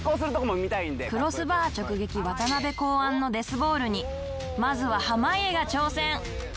クロスバー直撃渡邊考案の「デスボール」にまずは濱家が挑戦